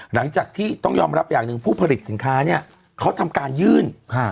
หลังจากที่ต้องยอมรับอย่างหนึ่งผู้ผลิตสินค้าเนี่ยเขาทำการยื่น